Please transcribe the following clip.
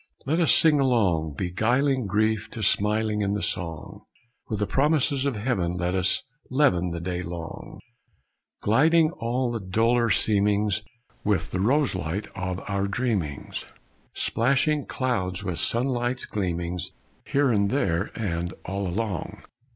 Let us sing along, beguiling Grief to smiling In the song. With the promises of heaven Let us leaven The day long, Gilding all the duller seemings With the roselight of our dreamings, Splashing clouds with sunlight's gleamings, Here and there and all along.